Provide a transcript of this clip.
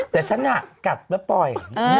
แต่ฉันน่ะกัดแล้วปล่อย